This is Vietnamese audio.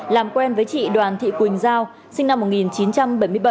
làm quen với chị đoàn thị quỳnh giao sinh năm một nghìn chín trăm bảy mươi bảy